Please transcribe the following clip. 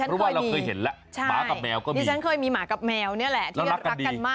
เป็นเรื่องเอาที่เราเคยเห็นละมีหมากกับแมวเนี่ยแหละ